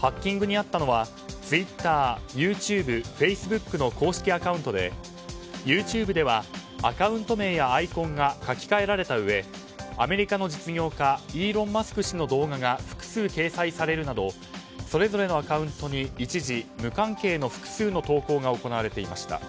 ハッキングに遭ったのはツイッター、ＹｏｕＴｕｂｅフェイスブックの公式アカウントでＹｏｕＴｕｂｅではアカウント名やアイコンが書き換えられたうえアメリカの実業家イーロン・マスク氏の動画が複数掲載されるなどそれぞれのアカウントに一時無関係の複数の投稿が行われていました。